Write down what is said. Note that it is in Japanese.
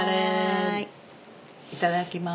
いただきます。